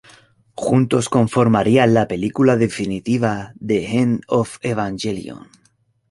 Juntos conformarían la película definitiva, "The End of Evangelion".